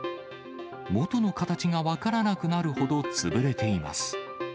元の形が分からなくなるほど潰れています。